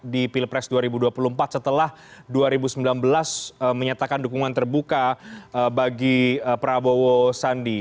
di pilpres dua ribu dua puluh empat setelah dua ribu sembilan belas menyatakan dukungan terbuka bagi prabowo sandi